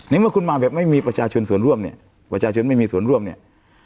เมื่อคุณมาแบบไม่มีประชาชนส่วนร่วมเนี่ยประชาชนไม่มีส่วนร่วมเนี่ย